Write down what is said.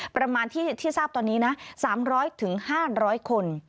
ประมาณที่ทราบตอนนี้นะ๓๐๐๕๐๐คน